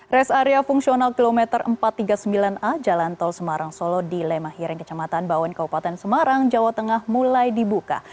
res area fungsional kilometer empat ratus tiga puluh sembilan a jalan tol semarang solo di lemahiring kecamatan bawen kabupaten semarang jawa tengah mulai dibuka